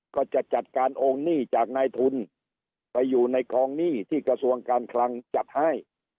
ก็จะจัดการโองหนี้จากนายทุนไปอยู่ในคลองหนี้ที่กระทรวงการคลังจัดให้